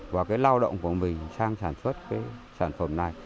và cái lao động của mình sang sản xuất cái sản phẩm này